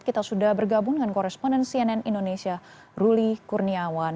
kita sudah bergabung dengan koresponden cnn indonesia ruli kurniawan